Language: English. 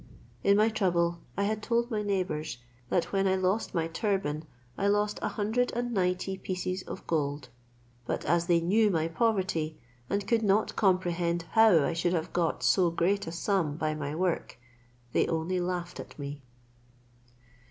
In my trouble I had told my neighbours, that when I lost my turban I lost a hundred and ninety pieces of gold; but as they knew my poverty, and could not comprehend how I should have got so great a sum by my work, they only laughed at me.